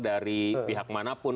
dari pihak manapun